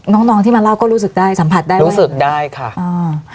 น้องน้องที่มาเล่าก็รู้สึกได้สัมผัสได้รู้สึกได้ค่ะอ่า